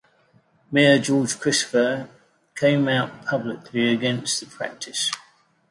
Mayor George Christopher came out publicly against the practice.